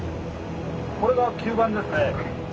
これが吸盤ですね。